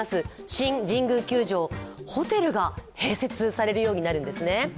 新・神宮球場、ホテルが併設されるようになるんですね。